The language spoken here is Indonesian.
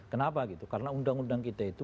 kenapa gitu karena undang undang kita itu